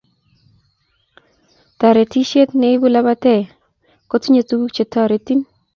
Toretishe ne ibuu labatee kotinye tukuk che terotin.